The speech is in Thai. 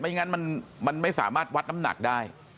ไม่อย่างนั้นมันไม่สามารถวัดน้ำหนักได้